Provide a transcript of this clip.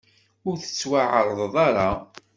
Ur tettwaɛerḍeḍ ara.